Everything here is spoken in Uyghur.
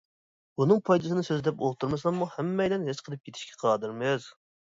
بۇنىڭ پايدىسىنى سۆزلەپ ئولتۇرمىساممۇ ھەممەيلەن ھېس قىلىپ يېتىشكە قادىرمىز.